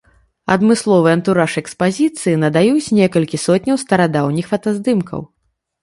Адмысловы антураж экспазіцыі надаюць некалькі сотняў старадаўніх фотаздымкаў.